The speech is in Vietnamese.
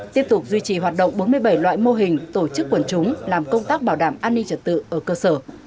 tiếp tục duy trì hoạt động bốn mươi bảy loại mô hình tổ chức quần chúng làm công tác bảo đảm an ninh trật tự ở cơ sở